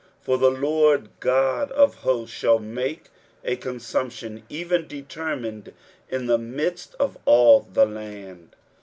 23:010:023 For the Lord GOD of hosts shall make a consumption, even determined, in the midst of all the land.